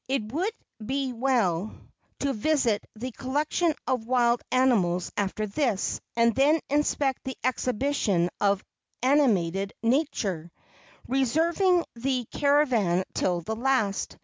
It would be well to visit the collection of wild animals after this, and then inspect the exhibition of animated nature, reserving the caravan till the last.